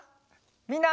みんな。